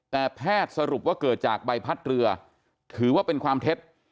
แต่แพทย์สรุปว่าเกิดจากใบพัดเรือถือว่าเป็นความเท็จ